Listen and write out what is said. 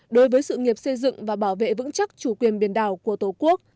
đối với sự nghiệp xây dựng và bảo vệ vững chắc chủ quyền biển đảo của tổ quốc